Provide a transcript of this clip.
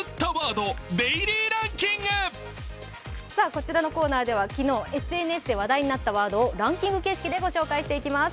こちらのコーナーでは昨日、ＳＮＳで話題になったワードをランキング形式でご紹介します。